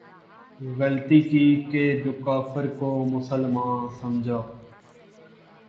غلطی کی کہ جو کافر کو مسلماں سمجھا